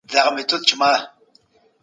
استازي د ټولنې د هوساينې لپاره هڅه کوي.